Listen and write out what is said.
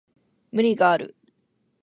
無理がある